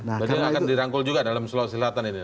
jadi akan dirangkul juga dalam sulawesi selatan ini